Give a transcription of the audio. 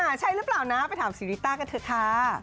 ใช่หรือเปล่านะไปถามซีริต้ากันเถอะค่ะ